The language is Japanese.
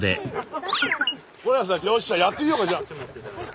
是永さんよっしゃやってみようかじゃあ。